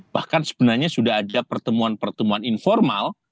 bahkan sebenarnya sudah ada pertemuan pertemuan informal